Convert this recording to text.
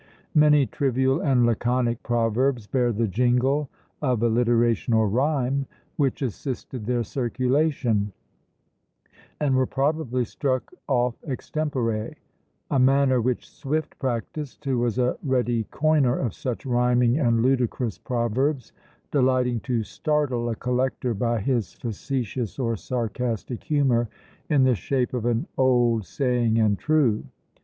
Many trivial and laconic proverbs bear the jingle of alliteration or rhyme, which assisted their circulation, and were probably struck off extempore; a manner which Swift practised, who was a ready coiner of such rhyming and ludicrous proverbs: delighting to startle a collector by his facetious or sarcastic humour, in the shape of an "old saying and true."